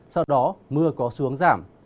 sau đó mưa có xuống giảm